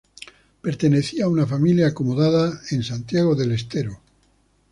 Pertenecía a una familia acomodada de Santiago del Estero.